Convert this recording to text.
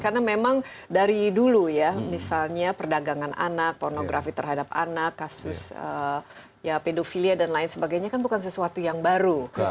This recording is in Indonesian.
karena memang dari dulu ya misalnya perdagangan anak pornografi terhadap anak kasus pedofilia dan lain sebagainya kan bukan sesuatu yang baru